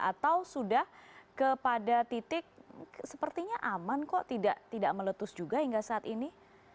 atau sudah kepada titik sepertinya aman kok tidak meletus juga hingga saat ini